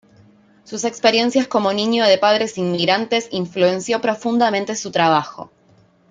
Sus experiencias como niño de padres inmigrantes influenció profundamente su trabajo.